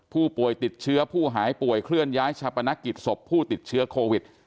ผู้ป่วยติดเชื้อผู้หายป่วยเคลื่อนย้ายชาปนกิจศพผู้ติดเชื้อโควิด